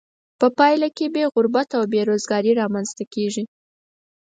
په پایله کې یې غربت او بې روزګاري را مینځ ته کیږي.